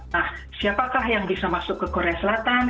nah siapakah yang bisa masuk ke korea selatan